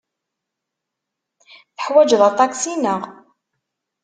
Teḥwajeḍ aṭaksi, naɣ?